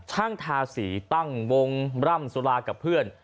ทาสีตั้งวงร่ำสุรากับเพื่อน